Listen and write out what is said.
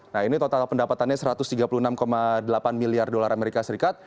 nah ini total pendapatannya satu ratus tiga puluh enam delapan miliar dolar amerika serikat